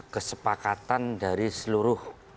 kesepakatan dari seluruh